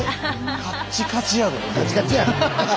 「カッチカチやぞ」ですよ。